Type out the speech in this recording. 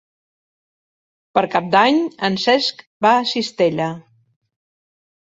Per Cap d'Any en Cesc va a Cistella.